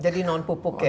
jadi non pupuk ya